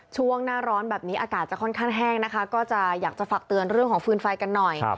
ช่วงหน้าร้อนแบบนี้อากาศจะค่อนข้างแห้งนะคะก็จะอยากจะฝากเตือนเรื่องของฟืนไฟกันหน่อย